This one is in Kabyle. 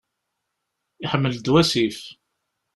Iḥmel-d wasif.